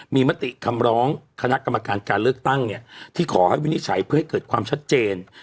มีมติคำร้องคณะกรรมการการเลือกตั้งเนี่ยที่ขอให้วินิจฉัยเพื่อให้เกิดความชัดเจน